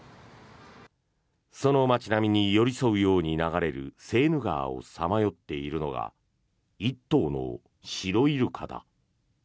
その街並みに寄り添うように流れるセーヌ川をさまよっているのが１頭のシロイルカだ。